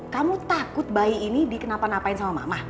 kamu takut bayi ini dikenapa napain sama mama